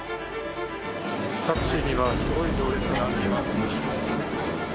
タクシーにはすごい行列があります。